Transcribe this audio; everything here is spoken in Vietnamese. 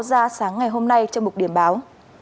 ra sáng ngày hôm nay trong bục điểm báo